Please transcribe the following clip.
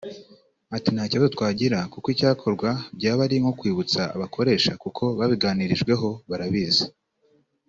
Ati” Nta kibazo twagira kuko icyakorwa byaba ari nko kwibutsa abakoresha kuko babiganirijweho barabizi